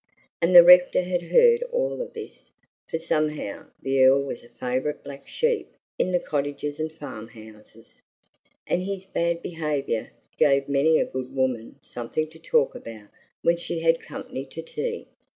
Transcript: And the rector had heard all this, for somehow the Earl was a favorite black sheep in the cottages and farm houses, and his bad behavior gave many a good woman something to talk about when she had company to tea.